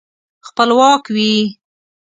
خپلواک وي.